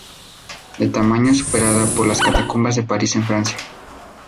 De tamaño es superada por las Catacumbas de París en Francia.